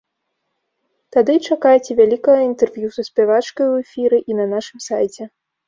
Тады і чакайце вялікага інтэрв'ю са спявачкай у эфіры і на нашым сайце.